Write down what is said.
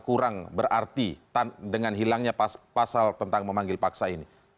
kurang berarti dengan hilangnya pasal tentang memanggil paksa ini